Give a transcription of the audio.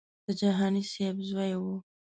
د جهاني صاحب زوی و.